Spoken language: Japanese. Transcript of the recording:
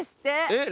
えっ？